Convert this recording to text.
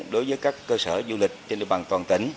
đối với các cơ sở du lịch trên địa bàn toàn tỉnh